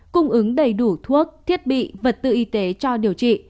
cung ứng đầy đủ thuốc thiết bị vật tư y tế cho điều trị